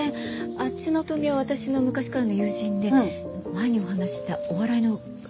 あっちの豆苗は私の昔からの友人で前にお話ししたお笑いの相方の。